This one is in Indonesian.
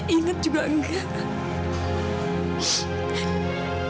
ingat juga tidak